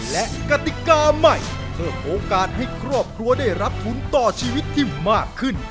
และกติกาใหม่เพิ่มโอกาสให้ครอบครัวได้รับทุนต่อชีวิตที่มากขึ้น